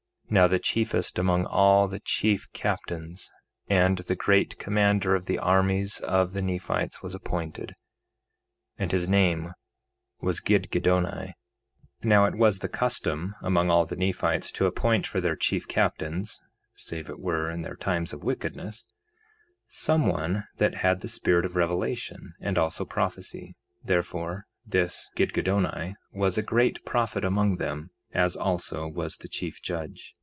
3:18 Now the chiefest among all the chief captains and the great commander of the armies of the Nephites was appointed, and his name was Gidgiddoni. 3:19 Now it was the custom among all the Nephites to appoint for their chief captains, (save it were in their times of wickedness) some one that had the spirit of revelation and also prophecy; therefore, this Gidgiddoni was a great prophet among them, as also was the chief judge.